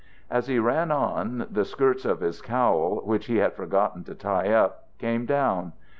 As he ran on, the skirts of his cowl, which he had forgotten to tie up, came down.